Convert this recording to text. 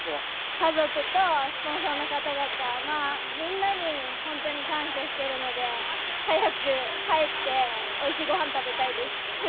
家族と、スポンサーの方々、まあ、みんなに本当に感謝しているので、早く帰って、おいしいごはん食べたいです。